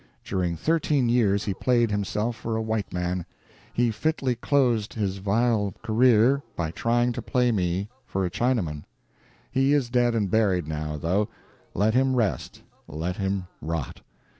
During thirteen years he played himself for a white man: he fitly closed his vile career by trying to play me for a Chinaman. He is dead and buried now, though: let him rest, let him rot.